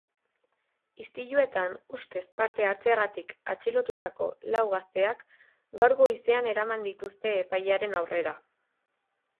Istiluetan ustez parte hartzeagatik atxilotutako lau gazteak gaur goizean eraman dituzte epailearen aurrera.